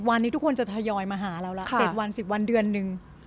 วันนี้ทุกคนจะทยอยมาหาเราละ๗วัน๑๐วันเดือนนึง